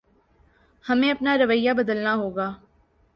ہمیں اپنا رویہ بدلنا ہوگا